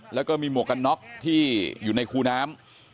แล้วก็มีหมวกกันน็อกที่อยู่ในคูน้ำ